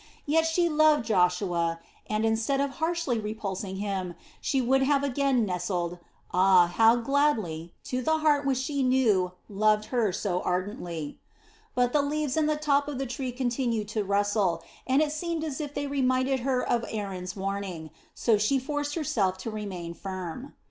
Yet she loved Joshua and, instead of harshly repulsing him, she would have again nestled ah, how gladly, to the heart which she knew loved her so ardently. But the leaves in the top of the tree continued to rustle and it seemed as if they reminded her of Aaron's warning, so she forced herself to remain firm.